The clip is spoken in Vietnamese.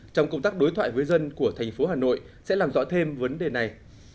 trong công tác đối thoại với dân của thành phố hà nội sẽ làm rõ thêm vấn đề này